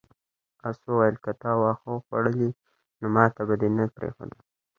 آس وویل که تا واښه خوړلی نو ماته به دې نه پریښودل.